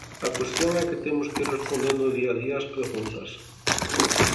A cuestión é que temos que ir respondendo o día a día as preguntas.